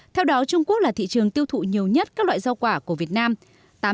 theo đó trung quốc là thị trường tiêu thụ nhiều nhất các loại rau quả của việt nam